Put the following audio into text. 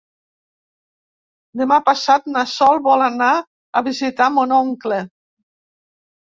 Demà passat na Sol vol anar a visitar mon oncle.